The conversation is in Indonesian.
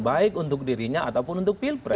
baik untuk dirinya ataupun untuk pilpres